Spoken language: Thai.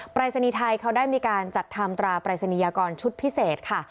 ปรายศนีย์ไทยเขาได้มีการจัดทำตราปรายศนียากรชุดพิเศษค่ะ